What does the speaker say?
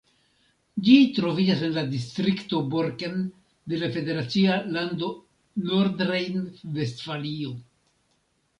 Ĝi troviĝas en la distrikto Borken de la federacia lando Nordrejn-Vestfalio.